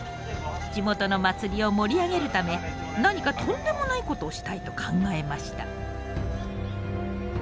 地元の祭りを盛り上げるため何かとんでもないことをしたいと考えました。